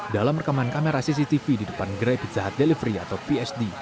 dalam rekaman kamera cctv di depan gerai pizza hut delivery atau psd